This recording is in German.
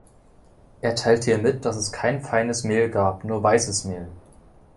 Er teilte ihr mit, dass es kein feines Mehl gab, nur weißes Mehl.